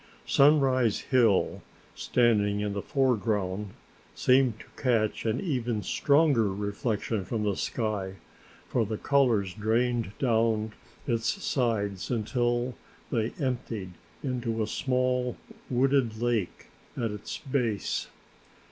Sunrise Hill, standing in the foreground, seemed to catch an even stronger reflection from the sky, for the colors drained down its sides until they emptied into a small, wooded lake at its base.